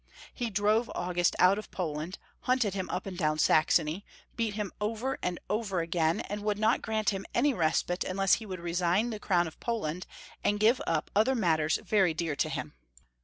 He drove August out of Poland, hunted him up and down Saxony, beat him over and over again, and would not grant him any respite unless he would resign the crown of Poland, and give up other matters very dear to liim.